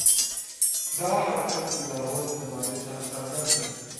دا حقیقت له لرغونې زمانې څخه څرګند دی.